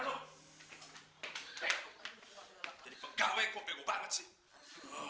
jadi pegawai kok bego banget sih